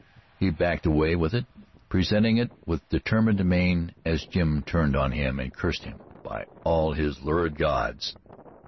He backed away with it, presenting it with determined mien as Jim turned on him and cursed him by all his lurid gods.